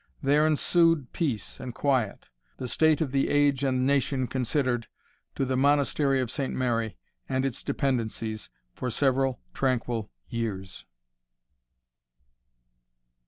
There ensued peace and quiet, the state of the age and nation considered, to the Monastery of Saint Mary, and its dependencies, for several tranquil years.